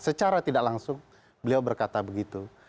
secara tidak langsung beliau berkata begitu